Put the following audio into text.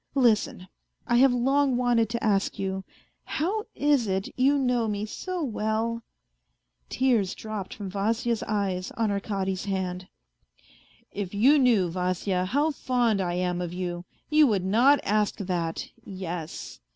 Listen ... I have long wanted to ask you, how is it you know me so well ?" Tears dropped from Vasya's eyes on Arkady's hand. " If you knew, Vasya, how fond I am of you, you would not ask that yes